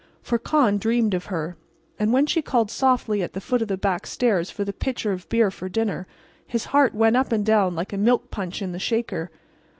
For Con dreamed of her; and when she called softly at the foot of the back stairs for the pitcher of beer for dinner, his heart went up and down like a milk punch in the shaker.